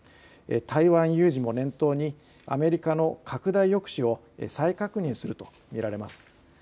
台湾有事も念頭にアメリカの拡大抑止を再確認すると見られます。